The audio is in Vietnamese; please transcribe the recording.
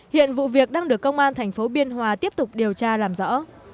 hiện vụ việc đang được công an thành phố biên hòa tiếp tục điều tra làm rõ